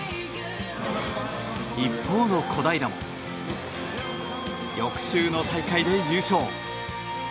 一方の小平も翌週の大会で優勝。